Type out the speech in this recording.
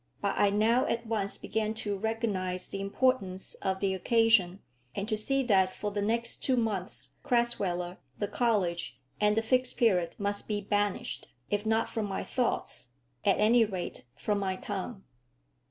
But I now at once began to recognise the importance of the occasion, and to see that for the next two months Crasweller, the college, and the Fixed Period must be banished, if not from my thoughts, at any rate from my tongue.